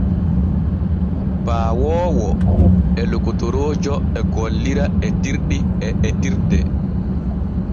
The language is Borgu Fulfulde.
Paawoowo e lokotoroojo e gollira etirɗi e etirde.